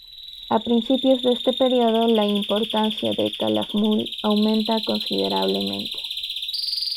A principios de este periodo, la importancia de Calakmul aumenta considerablemente.